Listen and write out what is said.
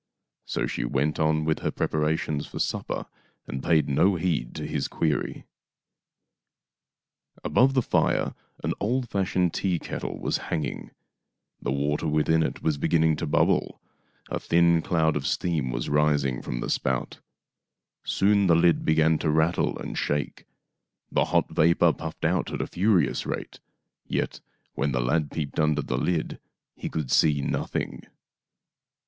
So she went on with her preparations for supper and paid no heed to his query. 5° JAMES WATT AND THE TEAKETTLE 51 Above the fire an old fashioned teakettle was hanging. The water within it was beginning to bubble. A thin cloud of steam was rising from the spout. Soon the lid began to rattle and shake. The hot vapor puffed out at a furious rate. Yet when the lad peeped under the lid he could see nothing.